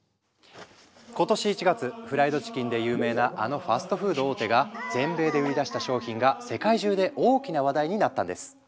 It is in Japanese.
今年１月フライドチキンで有名なあのファストフード大手が全米で売り出した商品が世界中で大きな話題になったんです。